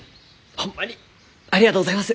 ホンマにありがとうございます。